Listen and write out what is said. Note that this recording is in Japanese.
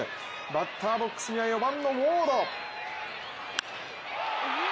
バッターボックスには４番のウォード。